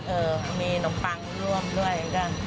เออมีนมปังร่วมด้วยก็